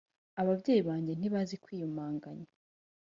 ababyeyi banjye ntibazi kwiyumanganya